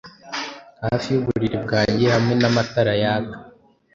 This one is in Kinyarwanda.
Hafi yuburiri bwanjye hamwe n'amatara yaka.